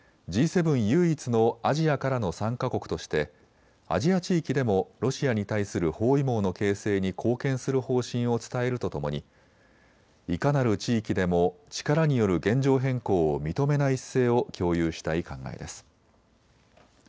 唯一のアジアからの参加国としてアジア地域でもロシアに対する包囲網の形成に貢献する方針を伝えるとともにいかなる地域でも力による現状変更を認めない姿勢を共有したい考えです。